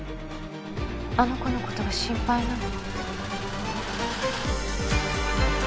あの子のことが心配なの。